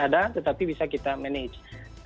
ada tetapi bisa kita manage